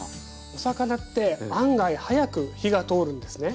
お魚って案外早く火が通るんですね。